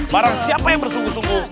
marah siapa yang bersungguh sungguh